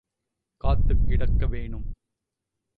காத்துக் கிடக்க வேணும்.